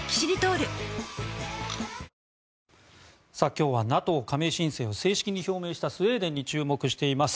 今日はＮＡＴＯ加盟申請を正式に表明したスウェーデンに注目しています。